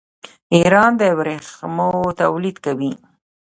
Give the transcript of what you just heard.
ایران د ورېښمو تولید کوي.